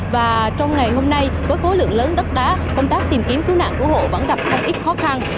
và trong ngày hôm nay với khối lượng lớn đất đá công tác tìm kiếm cứu nạn cứu hộ vẫn gặp không ít khó khăn